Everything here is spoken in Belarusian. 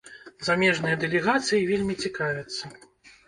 Замежныя дэлегацыі вельмі цікавяцца.